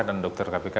dan dokter kpk